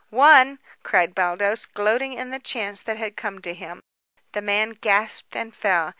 "One!" cried Baldos, gloating in the chance that had come to him. The man gasped and fell.